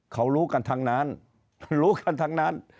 เขารู้กันทั้งนั้นรู้กันทั้งนั้น